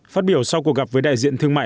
phát biểu sau cuộc gặp với đại diện thương mại